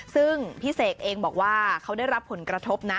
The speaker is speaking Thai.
ซึ่งพี่เสกเองบอกว่าเขาได้รับผลกระทบนะ